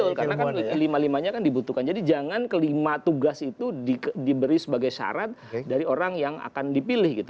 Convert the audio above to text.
betul karena kan lima limanya kan dibutuhkan jadi jangan kelima tugas itu diberi sebagai syarat dari orang yang akan dipilih gitu